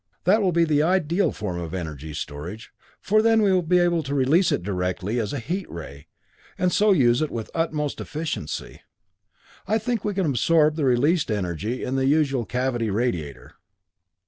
That will be the ideal form of energy storage, for then we will be able to release it directly as a heat ray, and so use it with utmost efficiency. I think we can absorb the released energy in the usual cavity radiator."